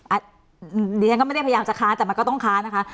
อันนี้ฉันก็ไม่ได้พยายามจะค้าแต่มันก็ต้องค้านะคะ